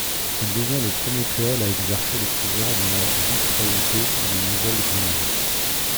Il devient le premier créole à exercer le pouvoir dans la vice-royauté de Nouvelle-Grenade.